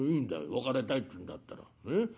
別れたいっつうんだったら。